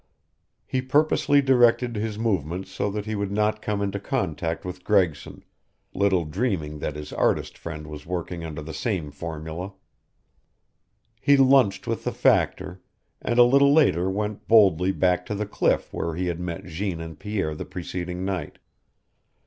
He purposely directed his movements so that he would not come into contact with Gregson, little dreaming that his artist friend was working under the same formula. He lunched with the factor, and a little later went boldly back to the cliff where he had met Jeanne and Pierre the preceding night.